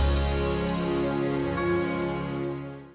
jangan lupa like subscribe share dan subscribe ya